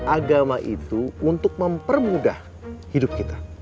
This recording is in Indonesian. agama itu untuk mempermudah hidup kita